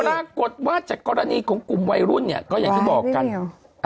ปรากฏว่าจากกรณีของกลุ่มวัยรุ่นเนี่ยก็อย่างที่บอกกัน